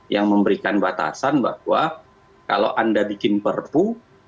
yang memberikan batasan bahwa kalau anda bikin perpu